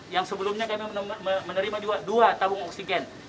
yang sebelumnya kami menerima juga dua tabung oksigen